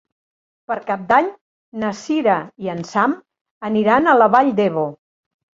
Per Cap d'Any na Sira i en Sam aniran a la Vall d'Ebo.